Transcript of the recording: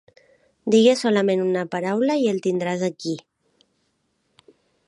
Digues solament una paraula, i el tindràs aquí.